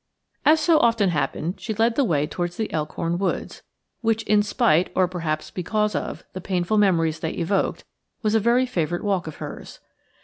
As so often happened, she led the way towards the Elkhorn woods, which in spite, or perhaps because, of the painful memories they evoked, was a very favourite walk of hers.